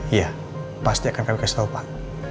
iya pasti akan kami kasih tau pak